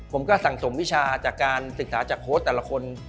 ผมก็สั่งสมวิชาจากการศึกษาจากโค้ชแต่ละคน